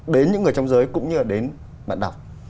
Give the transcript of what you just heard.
đến những người trong giới cũng như là đến bạn đọc